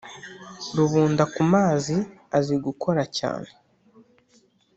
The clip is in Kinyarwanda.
Rubundakumazi azi gukora cyane